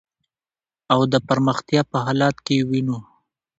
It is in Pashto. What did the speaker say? او د پرمختیا په حالت کی یې وېنو .